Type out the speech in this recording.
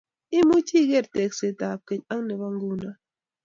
Imuchi iger teksetap keny ak nebo nguno